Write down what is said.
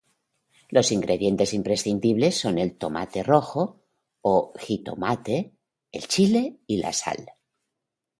Los ingredientes imprescindibles son el tomate rojo o jitomate, el chile y sal.